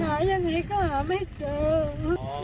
หายังไงก็หาไม่เจอ